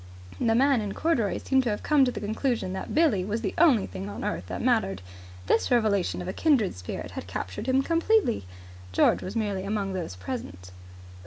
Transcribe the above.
The man in corduroys seemed to have come to the conclusion that Billie was the only thing on earth that mattered. This revelation of a kindred spirit had captured him completely. George was merely among those present.